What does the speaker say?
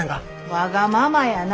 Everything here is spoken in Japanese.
わがままやな。